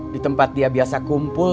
di tempat dia biasa kumpul